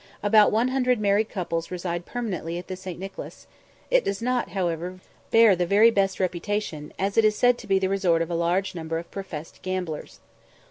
About 100 married couples reside permanently at the St. Nicholas; it does not, however, bear the very best reputation, as it is said to be the resort of a large number of professed gamblers.